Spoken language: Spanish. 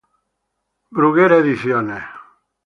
John Publications.